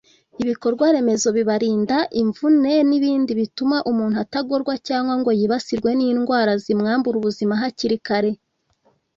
ibikorwa remezo bibarinda imvune n’ibindi bituma umuntu atagorwa cyangwa ngo yibasirwe n’indwara zimwambura ubuzima hakiri kare